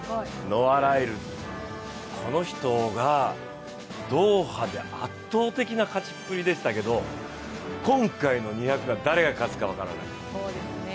ノア・ライルズ、この人がドーハで圧倒的な勝ちっぷりでしたけど今回の２００が誰が勝つか分からない